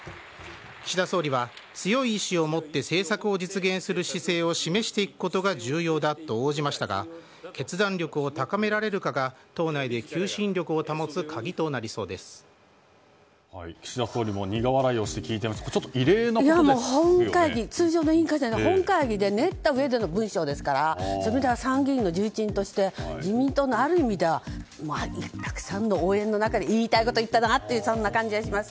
岸田総理は、強い意志を持って政策を実現する姿勢を示していくことが重要だと応じましたが決断力を高められるかが党内で求心力を保つ岸田総理も苦笑いをして聞いていましたが通常の委員会じゃない本会議で練ったうえの文章ですからそういう意味では参議院の重鎮としてある意味では自民党のたくさんの応援の中で言いたいことを言ったなという感じがします。